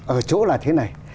ở chỗ là thế này